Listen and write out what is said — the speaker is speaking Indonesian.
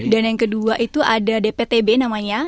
dan yang kedua itu ada dptb namanya